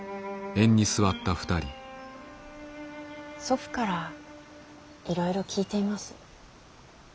祖父からいろいろ聞いています。